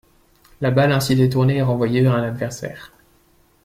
La balle ainsi détournée est renvoyée vers un adversaire.